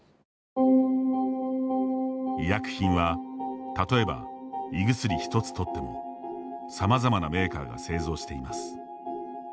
医薬品は例えば胃薬一つとってもさまざまなメーカーが製造しています。